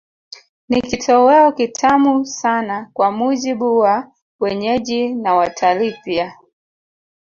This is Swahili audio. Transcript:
Ni kitoweo kitamu sana kwa mujibu wa wenyeji na watalii pia